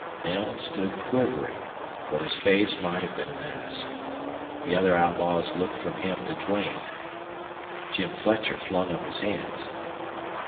Knell stood quivering, but his face might have been a mask. The other outlaws looked from him to Duane. Jim Fletcher flung up his hands.